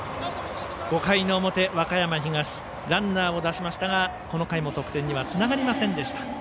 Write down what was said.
５回の表、和歌山東ランナーを出しましたがこの回も得点にはつながりませんでした。